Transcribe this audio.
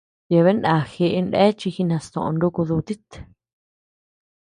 Yeabean ndá jeʼe ndéa chi jinastoʼö nuku dutit.